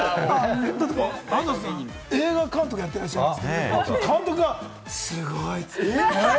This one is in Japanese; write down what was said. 安藤さんは映画監督やってらっしゃいますけれど、監督がすごい！って。